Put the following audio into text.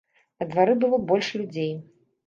На двары было больш людзей.